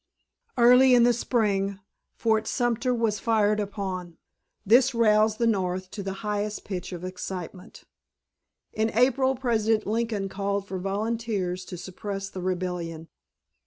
Early in the spring Fort Sumter was fired upon. This roused the North to the highest pitch of excitement. In April President Lincoln called for volunteers to suppress the rebellion.